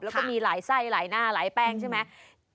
แล้วก็มีหลายไส้หลายหน้าหลายแป้งใช่ไหม